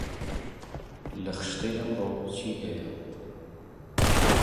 لە خشتەی ئەمڕۆ چی هەیە؟